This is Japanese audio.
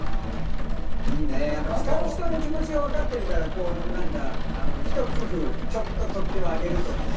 使う人の気持ちがわかってるから、ひと工夫、ちょっと取っ手を上げるとかさ。